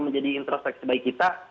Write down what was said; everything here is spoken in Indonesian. menjadi introspeksi bagi kita